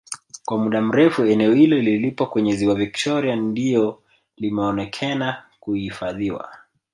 Kwa muda mrefu eneo hilo lilipo kwenye Ziwa Victoria ndiyo limeonekena kuhifadhiwa